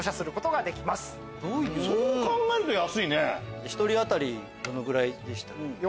そう考えると安いね。